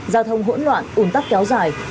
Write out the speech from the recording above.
giao thông hỗn loạn ủn tắc kéo dài